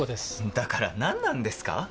だから何なんですか